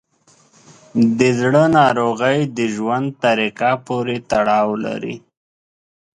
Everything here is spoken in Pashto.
د زړه ناروغۍ د ژوند طریقه پورې تړاو لري.